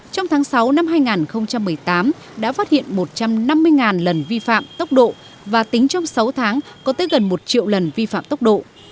trong tháng sáu năm hai nghìn một mươi tám đã phát hiện một trăm năm mươi lần vi phạm tốc độ và tính trong sáu tháng có tới gần một triệu lần vi phạm tốc độ